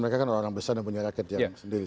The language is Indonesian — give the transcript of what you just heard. mereka kan orang orang besar dan punya reket sendiri